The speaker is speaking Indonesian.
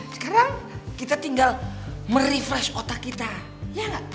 sekarang kita tinggal merefresh otak kita ya nggak